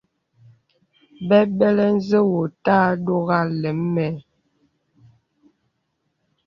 Bəbələ nzə wò òtà àdógā lēm mə.